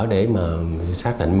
để mà xác định